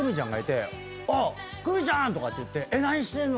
あっ來未ちゃんとかって言って何してんの？